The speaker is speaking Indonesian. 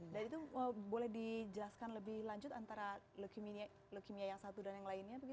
dan itu boleh dijelaskan lebih lanjut antara lekimia yang satu dan yang lainnya